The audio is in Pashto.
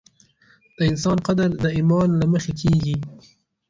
د انسان قدر د ایمان له مخې کېږي.